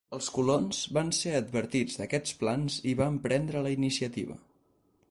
Els colons van ser advertits d'aquests plans i van prendre la iniciativa.